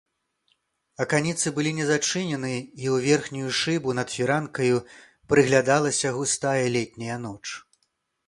Аканіцы былі не зачынены, і ў верхнюю шыбу над фіранкаю прыглядалася густая летняя ноч.